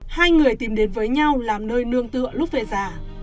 hai người tìm đến với nhau làm nơi nương tựa lúc về già